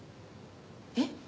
えっ？